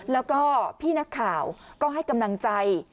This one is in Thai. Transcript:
แล้วก็พี่นักข่าวก็ให้กำลังใจ